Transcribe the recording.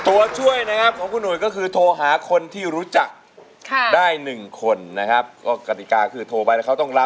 โอ้ยเบื่อจังลำพังคิดไปกว่าฟุ้งซาน